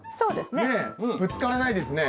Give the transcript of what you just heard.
ねえぶつからないですね。